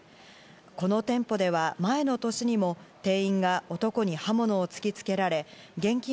この店舗では前の年にも店員が男に刃物を突きつけられ現金